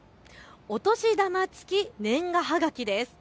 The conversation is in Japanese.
お年玉付年賀はがきです。